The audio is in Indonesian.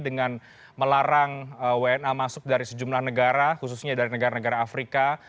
dengan melarang wna masuk dari sejumlah negara khususnya dari negara negara afrika